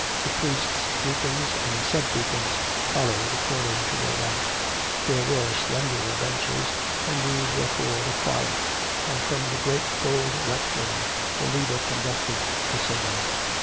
The priests, deacons, and sub deacons followed, according to their rank. There were slenderer benches, and these were for the choir; and from the great gold lectern the leader conducted the singing.